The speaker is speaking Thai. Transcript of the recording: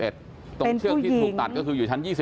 ตรงเชือกที่ถูกตัดก็คืออยู่ชั้น๒๐